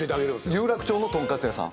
有楽町のとんかつ屋さん？